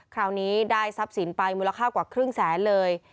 คราวนี้ได้ทรัพย์สินไปมูลค่ากว่าครึ่งแสนเลย